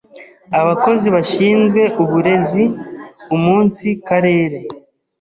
abakozi bashinzwe uburezi umunsi Karere